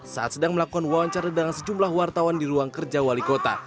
saat sedang melakukan wawancara dengan sejumlah wartawan di ruang kerja wali kota